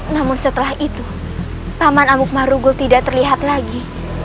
namun setelah itu taman amuk marugul tidak terlihat lagi